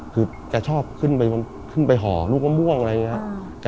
คือแกชอบขึ้นไปห่อลูกมะม่วงอะไรอย่างนี้ครับ